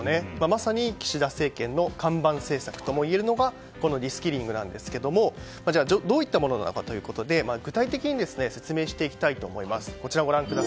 まさに岸田政権の看板政策ともいえるのがこのリスキリングなんですがどういったものなのかということで具体的に説明していきたいと思います。